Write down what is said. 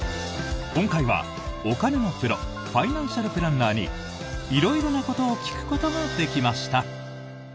今回は、お金のプロファイナンシャルプランナーに色々なことを聞くことができました。